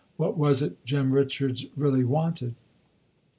What was it Jem Richards really wanted?